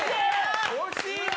惜しいな！